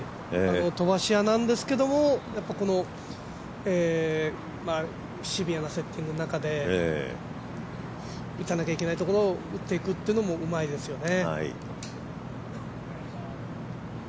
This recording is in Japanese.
飛ばし屋なんですけれども、このシビアなセッティングの中で打たなきゃいけないところを打っていくっていうのもうまいですよね。